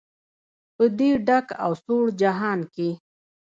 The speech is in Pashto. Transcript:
په دې ډک او سوړ جهان کې.